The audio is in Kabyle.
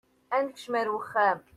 Ad nekcem ar wexxam.